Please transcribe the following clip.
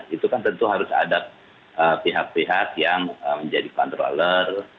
itu kan tentu harus ada pihak pihak yang menjadi controller